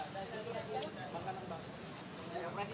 pak kamera pak ini